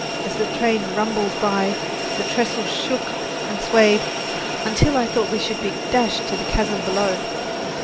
As the train rumbled by, the trestle shook and swayed until I thought we should be dashed to the chasm below.